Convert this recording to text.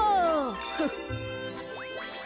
フッ。